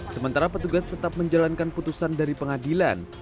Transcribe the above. sementara petugas tetap menjalankan putusan dari pengadilan